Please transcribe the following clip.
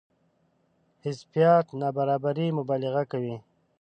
حذفيات نابرابرۍ مبالغه کوي.